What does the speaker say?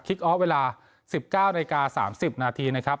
ออฟเวลา๑๙นาฬิกา๓๐นาทีนะครับ